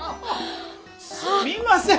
すみません